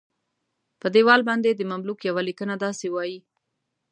په دیوال باندې د مملوک یوه لیکنه داسې وایي.